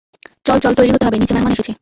চল চল তৈরি হতে হবে, নিচে মেহমান এসেছে।